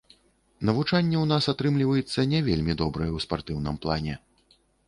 Навучанне ў нас атрымліваецца не вельмі добрае ў спартыўным плане.